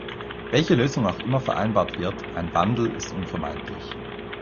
Welche Lösung auch immer vereinbart wird, ein Wandel ist unvermeidlich.